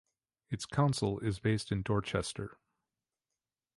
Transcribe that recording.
Its council is based in Dorchester.